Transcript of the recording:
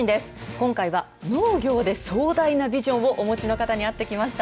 今回は農業で壮大なビジョンをお持ちの方に会ってきました。